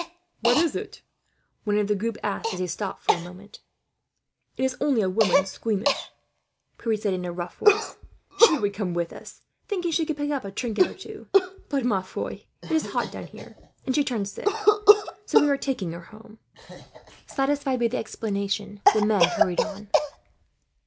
"What is it?" one of the group asked, as he stopped for a moment. "It is only a woman, squeamish," Pierre said in a rough voice. "She would come with us, thinking she could pick up a trinket or two; but, ma foi, it is hot down there, and she turned sick. So we are taking her home." Satisfied with the explanation, the men hurried on.